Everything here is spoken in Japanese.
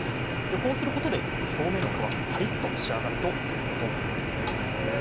こうすることで表面の皮がパリっと仕上がるということです。